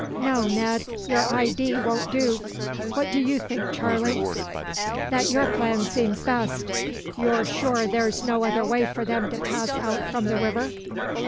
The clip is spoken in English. No, Ned: your idee won't do. What do you think, Charley?" "That your plan seems best. You're sure there's no other way for them to pass out from the river?"